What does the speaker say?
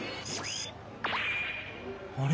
あれ？